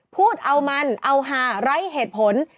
พูดเอามันเอาหาไร้เหตุผล